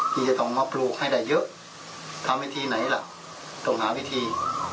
ที่จะต้องมาปลูกให้ได้เยอะทำวิธีไหนล่ะต้องหาวิธี